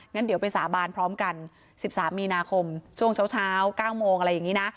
งั้นเดี๋ยวไปสาบานพร้อมกัน๑๓มีนาคมช่วงเช้า๙โมงอะไรอย่างนี้นะ